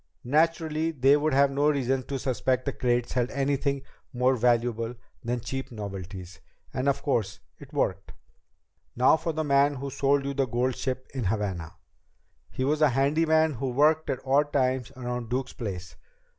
Naturally, they would have no reason to suspect that the crates held anything more valuable than cheap novelties. And, of course, it worked. "Now for the man who sold you the gold ship in Havana. He was a handyman who worked at odd times around Duke's place.